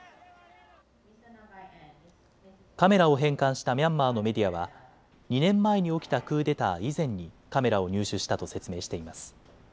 カメラを返還したミャンマーのメディアは２年前に起きたクーデター以前にカメラを入手したと説明しています。